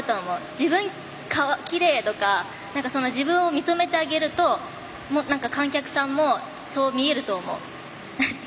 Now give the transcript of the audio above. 自分きれいとか自分を認めてあげるとなんか観客さんもそう見えると思う。